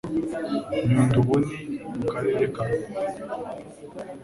Nyundo ubu ni mu Karere ka Rubavu